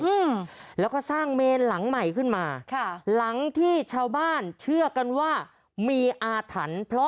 อืมแล้วก็สร้างเมนหลังใหม่ขึ้นมาค่ะหลังที่ชาวบ้านเชื่อกันว่ามีอาถรรพ์เพราะ